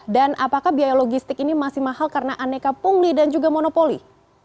dan apakah biaya logistik ini masih mahal karena aneka pungli dan juga monopoli